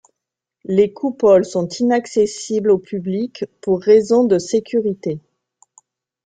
Les coupoles sont inaccessibles au public pour raisons de sécurité.